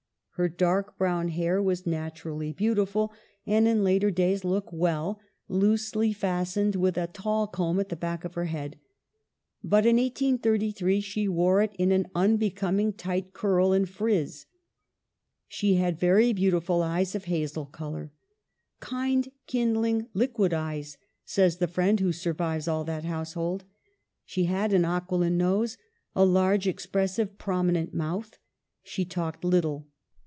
Her dark brown hair was naturally beautiful, and in later days looked well, loosely fastened with a tall comb at the back of her head ; but in 1833 she wore it in an unbecoming tight curl and frizz. She had very beautiful eyes of hazel color. " Kind, kindling, liquid eyes," says the friend who survives all that household. She had an aquiline nose, a large, expressive, prominent mouth. She talked little.